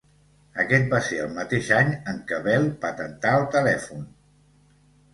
Aquest va ser el mateix any en què Bell patentar el telèfon.